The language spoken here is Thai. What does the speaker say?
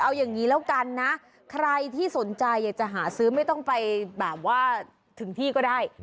เอาอย่างนี้แล้วกันนะใครที่สนใจอยากจะหาซื้อไม่ต้องไปแบบว่าถึงที่ก็ได้